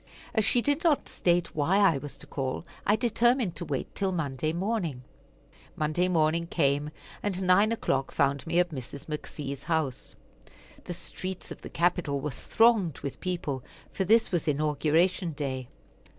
As she did not state why I was to call, I determined to wait till Monday morning. Monday morning came, and nine o'clock found me at Mrs. McC.'s house. The streets of the capital were thronged with people, for this was Inauguration day.